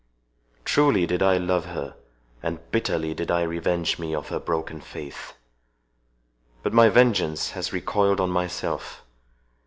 Truly did I love her, and bitterly did I revenge me of her broken faith! But my vengeance has recoiled on myself.